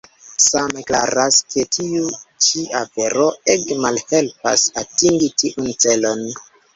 Same klaras, ke tiu ĉi afero ege malhelpas atingi tiun celon.